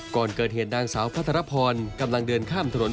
ก่อนเกิดเหตุนางสาวพัทรพรกำลังเดินข้ามถนน